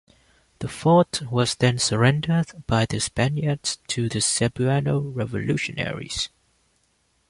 The fort was then surrendered by the Spaniards to the Cebuano revolutionaries.